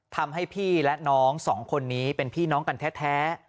ทำให้พี่และน้องสองคนนี้เป็นพี่น้องกันแท้